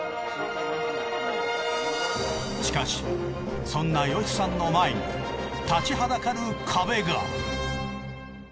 しかしそんなヨシさんの前に立ちはだかる壁が。